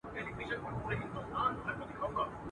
در جارېږمه سپوږمیه راته ووایه په مینه.